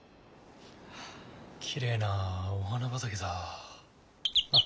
きれいなお花畑だ。